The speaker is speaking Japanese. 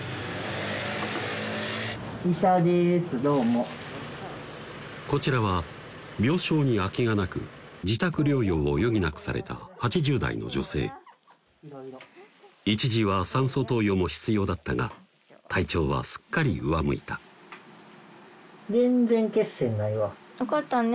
どうもこちらは病床に空きがなく自宅療養を余儀なくされた８０代の女性一時は酸素投与も必要だったが体調はすっかり上向いたよかったね